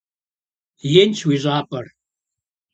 Инщ уи щӀапӀэр.